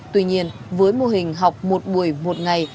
tuy nhiên với mô hình học một buổi một ngày